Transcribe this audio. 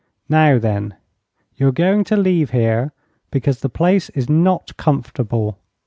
Now, then, you're going to leave here, because the place is not comfortable.